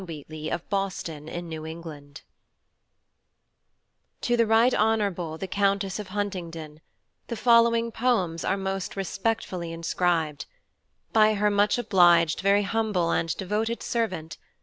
An Answer to ditto, by Phillis Wheatley TO THE RIGHT HONOURABLE THE COUNTESS OF HUNTINGDON, THE FOLLOWING P O E M S ARE MOST RESPECTFULLY INSCRIBED. BY HER MUCH OBLIGED, VERY HUMBLE AND DEVOTED SERVANT.